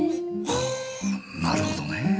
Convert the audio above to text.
はぁなるほどね。